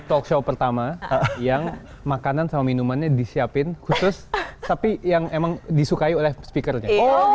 talkshow pertama yang makanan sama minumannya disiapin khusus tapi yang emang disukai oleh speaker nya